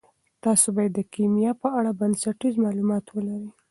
تاسي باید د کیمیا په اړه بنسټیز معلومات ولرئ.